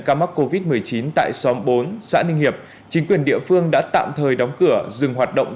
ca mắc covid một mươi chín tại xóm bốn xã ninh hiệp chính quyền địa phương đã tạm thời đóng cửa dừng hoạt động